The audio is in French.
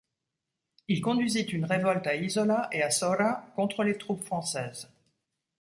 Il conduisit une révolte à Isola et à Sora contre les troupes françaises.